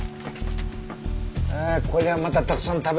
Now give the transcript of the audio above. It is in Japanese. こりゃまたたくさん食べてるね。